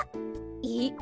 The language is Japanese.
えっ？